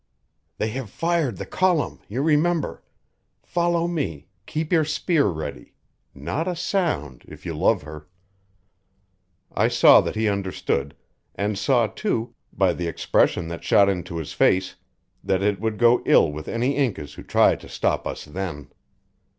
"They have fired the column you remember. Follow me; keep your spear ready; not a sound, if you love her." I saw that he understood, and saw too, by the expression that shot into his face, that it would go ill with any Incas who tried to stop us then.